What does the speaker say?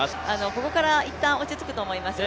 ここから一旦落ち着くと思いますよ。